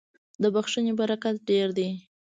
• د بښنې برکت ډېر دی.